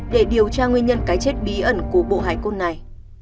để điều tra nguyên nhân cái chết bí ẩn của bộ hải cốt này